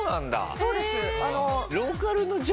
そうです。